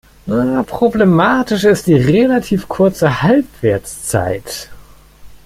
Problematisch ist die relativ kurze Halbwertszeit.